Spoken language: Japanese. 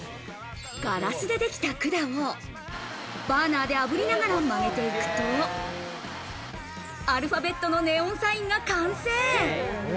ガラスできた管をバーナーであぶりながら真似ていくと、アルファベットのネオンサインが完成。